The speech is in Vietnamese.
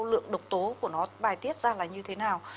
lượng độc tố của nó bài tiết ra là như thế nào